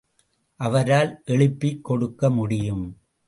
அவரால் எழுப்பிக் கொடுக்க முடியும்.